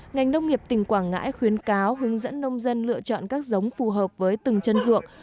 ngành nông nghiệp tỉnh quảng ngãi khuyến cáo hướng dẫn nông dân lựa chọn các giống phù hợp với từng chân ruộng